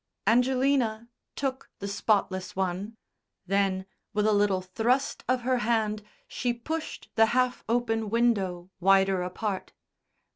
Angelina took the spotless one; then with a little thrust of her hand she pushed the half open window wider apart.